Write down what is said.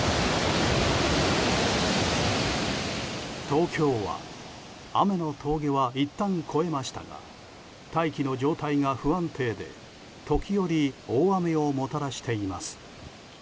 東京は雨の峠はいったん越えましたが大気の状態が不安定で時折、大雨をもたらしています。